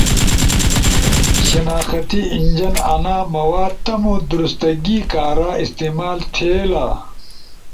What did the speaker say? شناختی انجن انا مواد تمو درستگی کارا استعمال تھئیلا۔